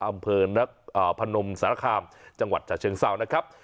อำเภอนักอ่าพนมสารคามจังหวัดจาเชิงเซานะครับ